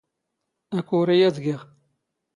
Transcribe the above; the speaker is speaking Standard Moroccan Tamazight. ⴰⴽⵓⵔⵉ ⴰⴷ ⴳⵉⵖ.